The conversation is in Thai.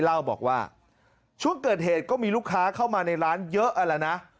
เล่าบอกว่าช่วงเกิดเหตุก็มีลูกค้าเข้ามาในร้านเยอะแล้วนะ